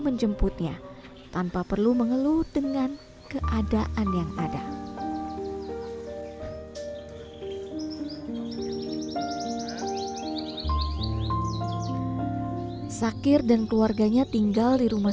menjemputnya tanpa perlu mengeluh dengan keadaan yang ada sakir dan keluarganya tinggal di rumah